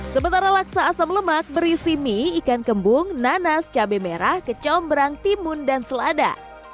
sementara laksa asam lemak berisi mie ikan kembung nanas cabai merah kecombrang timun dan selada